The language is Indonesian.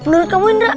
menurut kamu indra